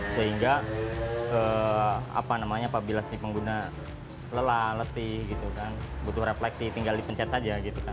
sehingga apabila si pengguna lelah letih butuh refleksi tinggal dipencet saja